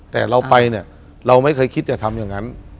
แต่เราไปเนี่ยเราไม่เคยคิดจะทำอย่างนั้น